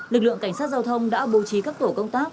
lực lượng cảnh sát giao thông đã bố trí các tổ công tác